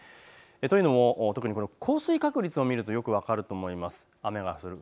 というのも降水確率を見ると分かると思います。